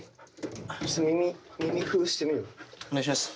お願いします。